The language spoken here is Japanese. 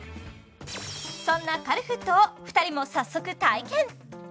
そんなカルフットを２人も早速体験！